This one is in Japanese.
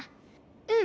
うん！